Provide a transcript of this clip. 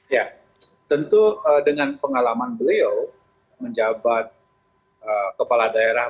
ya tentu dengan pengalaman beliau menjabat kepala daerah